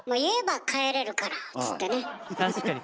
確かに。